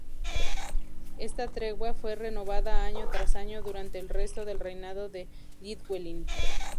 Esta tregua fue renovada año tras año durante el resto del reinado de Llywelyn.